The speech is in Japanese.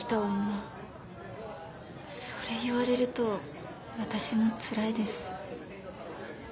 それ言われると私もつらいです。